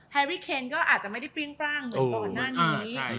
แรรี่เคนก็อาจจะไม่ได้เปรี้ยงปร่างเหมือนก่อนหน้านี้